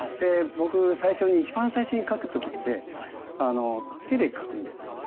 僕最初に一番最初に描く時って手で描くんですよ。